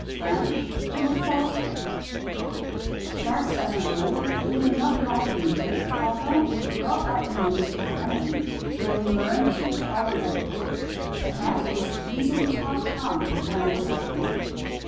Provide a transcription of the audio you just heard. Then he would fall asleep. Cats, as a rule, do not like music; although, if brought up in a musical family, they learn to tolerate it. A cat is easily taught to come when whistled upon.